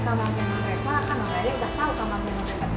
kan nang laila udah tau kamar penyelidikan mereka dimana